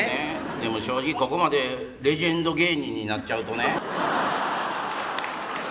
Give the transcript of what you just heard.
正直、ここまでレジェンド芸人になっちゃうとね。